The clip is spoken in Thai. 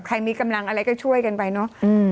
มีกำลังอะไรก็ช่วยกันไปเนอะ